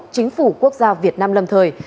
chính phủ quốc gia việt nam lầm thời